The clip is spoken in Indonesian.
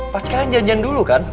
pasti kalian janjian dulu kan